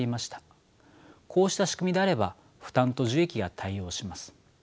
こうした仕組みであれば負担と受益が対応します。